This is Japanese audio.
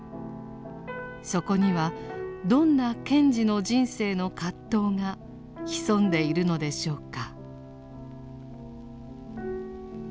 そこにはどんな賢治の人生の葛藤が潜んでいるのでしょうか。